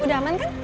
udah aman kan